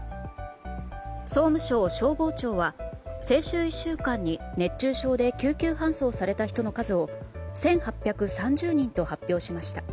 総務省消防庁は先週１週間に熱中症で救急搬送された人の数を１８３０人と発表しました。